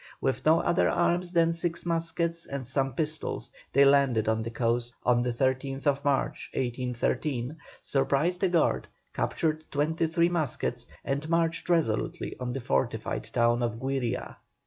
With no other arms than six muskets and some pistols, they landed on the coast on the 13th March, 1813, surprised a guard, captured twenty three muskets, and marched resolutely on the fortified town of Güiria.